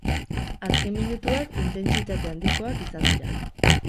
Azken minutuak intentsitate handikoak izan dira.